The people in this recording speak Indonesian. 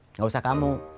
nggak usah kamu